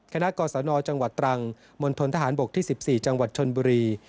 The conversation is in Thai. คณะก่อสนจังหวัดตรังมนตรฐานบกที่๑๔จังหวัดชนบุรี